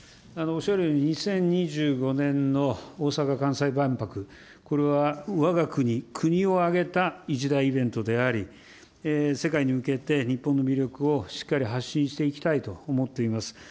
おっしゃるように、２０２５年の大阪・関西万博、これはわが国、国を挙げた一大イベントであり、世界に向けて日本の魅力をしっかり発信していきたいと思っています。